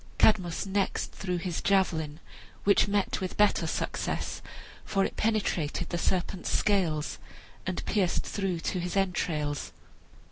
Cadmus next threw his javelin, which met with better success, for it penetrated the serpent's scales, and pierced through to his entrails.